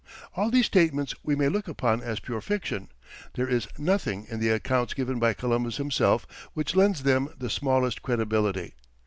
All these statements we may look upon as pure fiction; there is nothing in the accounts given by Columbus himself which lends them the smallest credibility.